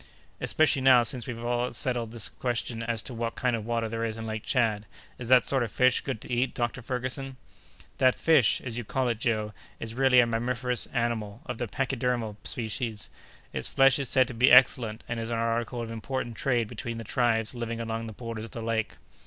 "Especially now since we've settled the question as to what kind of water there is in Lake Tchad. Is that sort of fish good to eat, Dr. Ferguson?" "That fish, as you call it, Joe, is really a mammiferous animal of the pachydermal species. Its flesh is said to be excellent and is an article of important trade between the tribes living along the borders of the lake."